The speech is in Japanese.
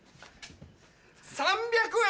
３００円！